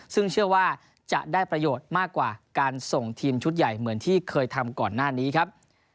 ซึ่งเชื่อว่าจะได้ประโยชน์มากกว่าการส่งทีมชุดใหญ่เหมือนที่เคยทำก่อนหน้านี้ครับ